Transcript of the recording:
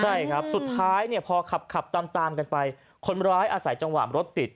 ใช่ครับสุดท้ายเนี่ยพอขับตามตามกันไปคนร้ายอาศัยจังหวะรถติด